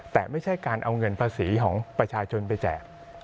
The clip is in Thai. แต่ไม่ใช่การเอาเงินภาษีของประชาชนไปแจก